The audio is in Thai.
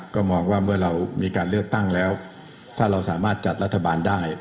ก็มองว่าเมื่อเรามีการเลือกตั้งแล้วถ้าเราสามารถจัดรัฐบาลได้